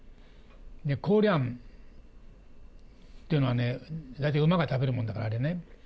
コウリャンっていうのはね、大体馬が食べるものだから、あれね。